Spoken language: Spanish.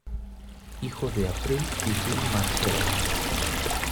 Hijo de April y Phil Margera.